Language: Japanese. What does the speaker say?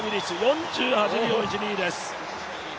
４８秒１２です。